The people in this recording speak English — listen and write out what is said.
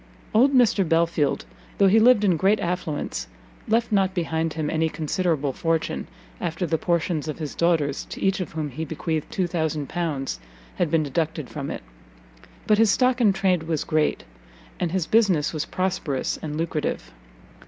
Old Mr Belfield, though he lived in great affluence, left not behind him any considerable fortune, after the portions of his daughters, to each of whom he bequeathed L2000, had been deducted from it. But his stock in trade was great, and his business was prosperous and lucrative.